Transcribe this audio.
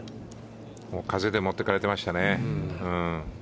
風で持っていかれてましたね。